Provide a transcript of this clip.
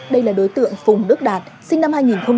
đây là đối tượng phùng đức đạt sinh năm hai nghìn